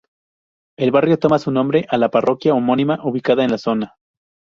El barrio toma su nombre de la parroquia homónima ubicada en la zona.